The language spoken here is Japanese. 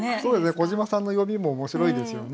小島さんの読みも面白いですよね。